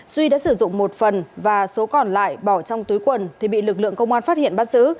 duy đã sử dụng một phần và số còn lại bỏ trong túi quần thì bị lực lượng công an phát hiện bắt giữ